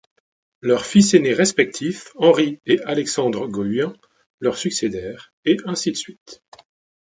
Leurs fils ainés respectifs, Henri et Alexandre Goüin, leur succédèrent, et ainsi de suite.